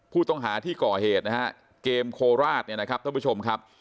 ผู้ต้องหาที่ก่อเหตุนะฮะเกมโคราชเนี่ยนะครับท่านผู้ชมครับ